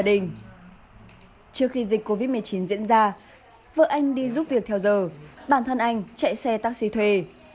trước khi dịch covid một mươi chín diễn ra vợ anh đi giúp việc theo giờ bản thân anh chạy xe taxi thuê